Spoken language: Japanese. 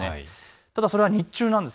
ただそれは日中です。